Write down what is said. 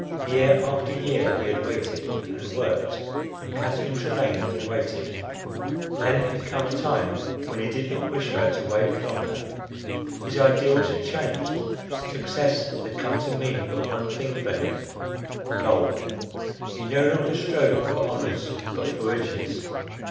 Year after year he had waited and worked and Catherine Trelane had waited; then had come a time when he did not wish her to wait longer. His ideals had changed. Success had come to mean but one thing for him: gold; he no longer strove for honors but for riches.